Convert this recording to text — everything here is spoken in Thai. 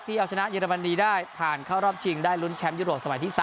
เอาชนะเยอรมนีได้ผ่านเข้ารอบชิงได้ลุ้นแชมป์ยุโรปสมัยที่๓